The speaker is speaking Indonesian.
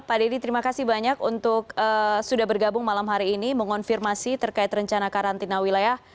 pak dedy terima kasih banyak untuk sudah bergabung malam hari ini mengonfirmasi terkait rencana karantina wilayah